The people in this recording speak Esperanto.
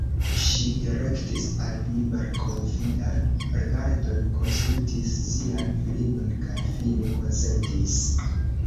Ŝi direktis al mi malkonfidan rigardon, konsultis sian filinon, kaj fine konsentis.